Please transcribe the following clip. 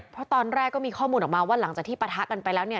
เพราะตอนแรกก็มีข้อมูลออกมาว่าหลังจากที่ปะทะกันไปแล้วเนี่ย